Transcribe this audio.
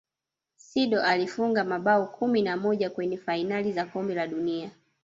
sindor alifunga mabao kumi na moja kwenye fainali za kombe la dunia